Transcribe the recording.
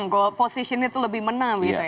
gol positionnya itu lebih menang